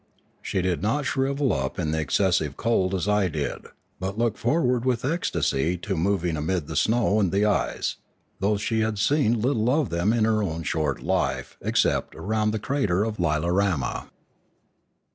She did not shrivel up in the excess ive cold as I did, but looked forward with ecstasy to moving amid the snow and the ice, though she had seen little of them in her own short life except around the crater of Lilaroma.